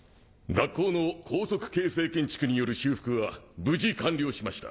学校の高速形成建築による修復は技完了しました。